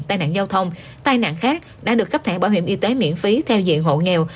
tai nạn giao thông tai nạn khác đã được cấp thẻ bảo hiểm y tế miễn phí theo diện hộ nghèo